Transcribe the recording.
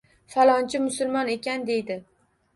Falonchi musulmon ekan, deydi.